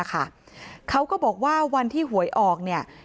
เขาก็บอกว่าวันที่หวยออก